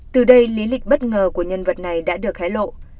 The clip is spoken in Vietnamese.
từ đây lý lịch bất ngờ của nhân vật này đã được hé lộ